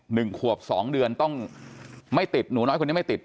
หนึ่งขวบสองเดือนต้องไม่ติดหนูน้อยคนนี้ไม่ติด